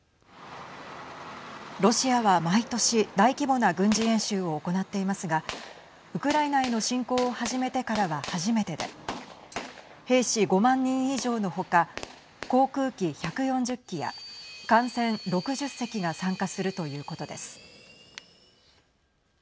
ロシアは毎年大規模な軍事演習を行っていますがウクライナへの侵攻を始めてからは初めてで兵士５万人以上の他航空機１４０機や艦船６０隻が参加するということです。